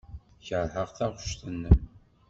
Keṛheɣ taɣect-nnem.